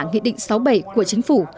nghị định sáu bảy của chính phủ